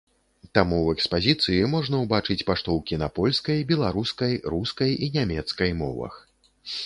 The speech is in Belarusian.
Таму ў экспазіцыі можна ўбачыць паштоўкі на польскай, беларускай, рускай і нямецкай мовах.